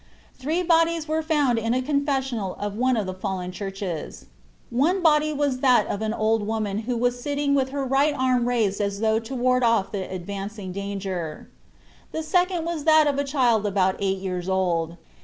Three bodies were found in a confessional of one of the fallen churches. One body was that of an old woman who was sitting with her right arm raised as though to ward off the advancing danger. The second was that of a child about eight years old.